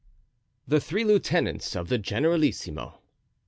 The three Lieutenants of the Generalissimo.